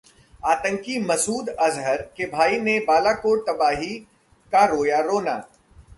आतंकी मसूद अजहर के भाई ने बालाकोट तबाही का रोया रोना